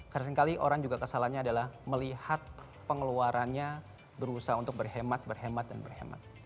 seringkali orang juga kesalahannya adalah melihat pengeluarannya berusaha untuk berhemat berhemat dan berhemat